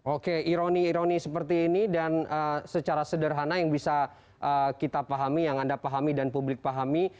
oke ironi ironi seperti ini dan secara sederhana yang bisa kita pahami yang anda pahami dan publik pahami